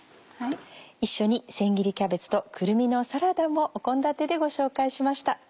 一緒に「せん切りキャベツとくるみのサラダ」もお献立でご紹介しました。